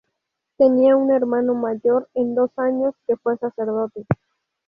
Tenía un hermano mayor en dos años, que fue sacerdote.